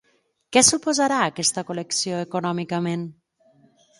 Què suposarà aquesta col·lecció econòmicament?